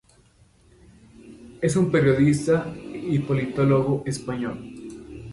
Es un periodista y politólogo español.